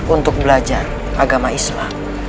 untuk belajar agama islam